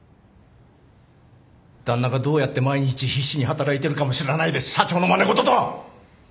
旦那がどうやって毎日必死に働いてるかも知らないで社長のまね事とは！